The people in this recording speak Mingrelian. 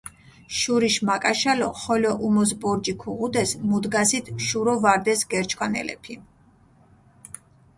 შურიშ მაკაშალო ხოლო უმოს ბორჯი ქუღუდეს, მუდგასით შურო ვარდეს გერჩქვანელეფი.